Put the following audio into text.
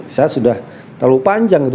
saya sudah terlalu panjang itu